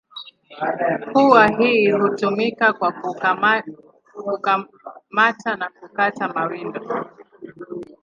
Pua hii hutumika kwa kukamata na kukata mawindo.